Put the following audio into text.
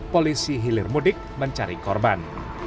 polisi hilir mudik mencari korban